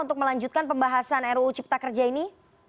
untuk melanjutkan pembahasan ruu cipta kerja ini